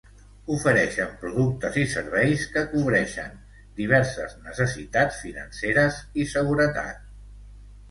Ofereixen productes i serveis que cobreixen diverses necessitats financeres i seguretat.